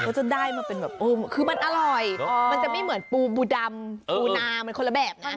เขาจะได้มาเป็นแบบคือมันอร่อยมันจะไม่เหมือนปูปูดำปูนามันคนละแบบนะ